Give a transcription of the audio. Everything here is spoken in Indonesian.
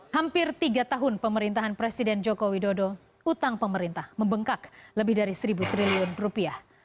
hampir tiga tahun pemerintahan presiden joko widodo utang pemerintah membengkak lebih dari seribu triliun rupiah